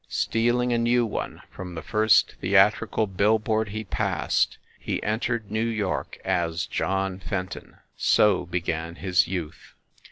Stealing a new one from the first theatrical bill board he passed, he entered New York as John Fenton. So began his youth.